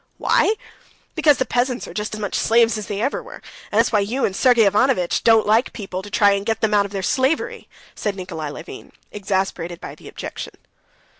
"Why? Because the peasants are just as much slaves as they ever were, and that's why you and Sergey Ivanovitch don't like people to try and get them out of their slavery," said Nikolay Levin, exasperated by the objection.